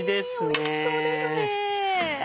わおいしそうですね。